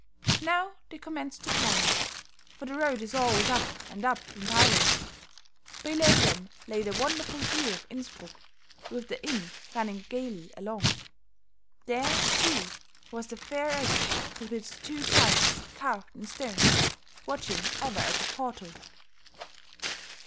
Now they commenced to climb, for the road is always up and up in Tyrol. Below them lay the wonderful view of Innsbruck, with the Inn running gayly along; there, too, was the fair abbey with its two giants carved in stone, watching ever at the portal.